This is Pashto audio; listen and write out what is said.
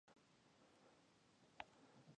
سپي زغم زده کولی شي.